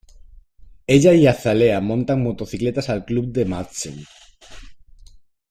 Ella y Azalea montan motocicletas al club de Madsen.